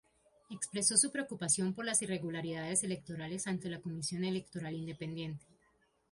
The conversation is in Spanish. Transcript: Expresó su preocupación por las irregularidades electorales ante la Comisión Electoral Independiente.